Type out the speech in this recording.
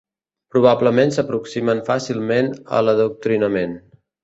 Probablement s'aproximen fàcilment a l'adoctrinament.